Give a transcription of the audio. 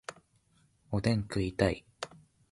おでん食いたい